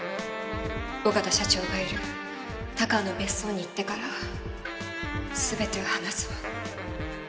小形社長がいる高尾の別荘に行ってから全てを話すわ。